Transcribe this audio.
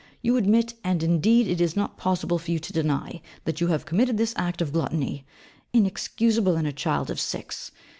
You admit, and indeed it is not possible for you to deny, that you have committed this act of gluttony inexcusable in a child of six.